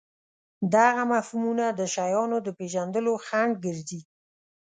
دغه مفهومونه د شیانو د پېژندلو خنډ ګرځي.